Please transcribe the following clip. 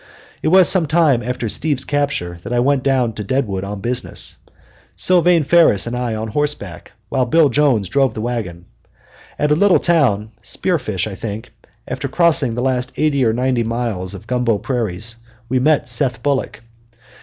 It was some time after "Steve's" capture that I went down to Deadwood on business, Sylvane Ferris and I on horseback, while Bill Jones drove the wagon. At a little town, Spearfish, I think, after crossing the last eighty or ninety miles of gumbo prairies, we met Seth Bullock.